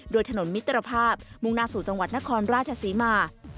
โดยถนนมิตรภาพมุ่งหน้าสู่จังหวัดนครราชศรีมา